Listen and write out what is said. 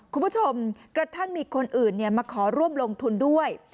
คุณผู้ชมกระทั่งมีคนอื่นมาขอร่วมลงทุนด้วย